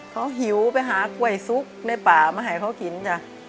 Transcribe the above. เขาหิวไปหากล้วยซุกในป่ามาให้เขากินจ้ะ